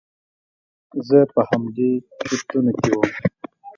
زه په همدې چرتونو کې وم.